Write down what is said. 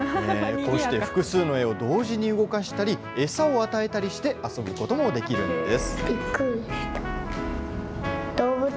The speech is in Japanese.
こうして複数の絵を同時に、動かしたり、餌をあげたりして遊ぶこともできるんです。